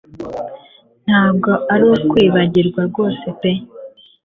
Ntabwo ari ukwibagirwa rwose pe